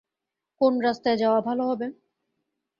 কোন রাস্তায় যাওয়া ভালো হবে?